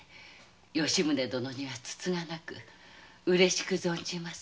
吉宗殿にはつつがなくうれしく存じます。